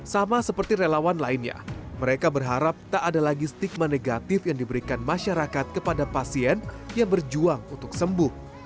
sama seperti relawan lainnya mereka berharap tak ada lagi stigma negatif yang diberikan masyarakat kepada pasien yang berjuang untuk sembuh